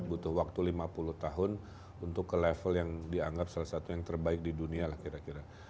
butuh waktu lima puluh tahun untuk ke level yang dianggap salah satu yang terbaik di dunia lah kira kira